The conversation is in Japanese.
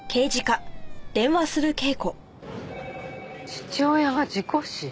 父親が事故死？